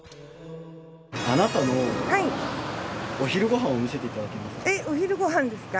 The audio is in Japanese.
あなたのお昼ご飯を見せていただけますか？